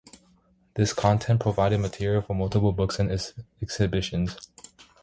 This content provided material for multiple books and exhibitions.